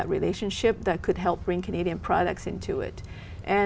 đây là để chắc chắn rằng các công ty cộng đồng cộng đồng